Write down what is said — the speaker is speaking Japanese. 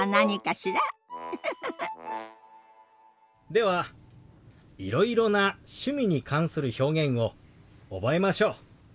ではいろいろな趣味に関する表現を覚えましょう。